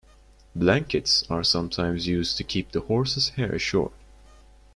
Blankets are sometimes used to keep the horse's hair short.